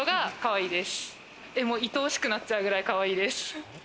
愛おしくなっちゃうくらいかわいいです。